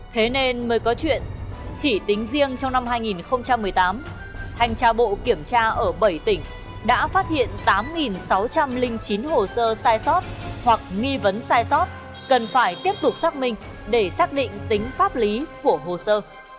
thế nên mới có chuyện chỉ tính riêng trong năm hai nghìn một mươi tám thanh tra bộ kiểm tra ở bảy tỉnh đã phát hiện tám sáu trăm linh chín hồ sơ sai sót hoặc nghi vấn sai sót cần phải tiếp tục xác minh để xác định tính pháp lý của hồ sơ